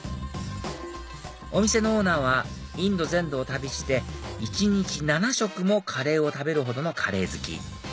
お店のオーナーはインド全土を旅して一日７食もカレーを食べるほどのカレー好き